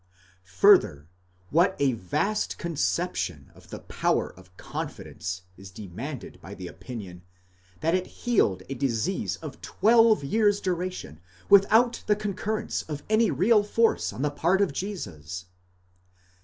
Fur ther, what a vast conception of the power of confidence is demanded by the opinion, that it healed a disease of twelve years' duration without the concur rence of any real force on the part of Jesus!